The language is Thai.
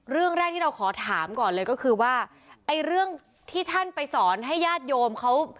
เรื่องแรกที่เราขอถามก่อนเลยก็คือว่าไอ้เรื่องที่ท่านไปสอนให้ญาติโยมเขา